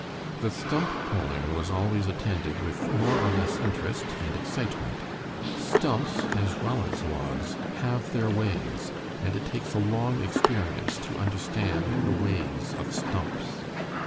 The stump pulling was always attended with more or less interest and excitement. Stumps, as well as logs, have their ways, and it takes a long experience to understand the ways of stumps.